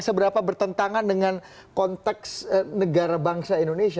seberapa bertentangan dengan konteks negara bangsa indonesia